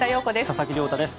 佐々木亮太です。